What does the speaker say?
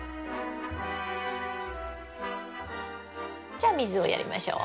じゃあ水をやりましょう。